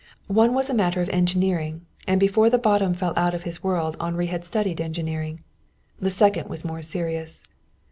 One was a matter of engineering, and before the bottom fell out of his world Henri had studied engineering. The second was more serious.